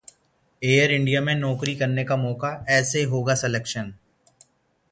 air India में नौकरी करने का मौका, ऐसे होगा सलेक्शन